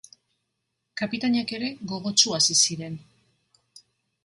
Kapitainak ere gogotsu hasi ziren.